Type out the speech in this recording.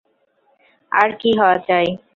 আর কী হওয়া চাই!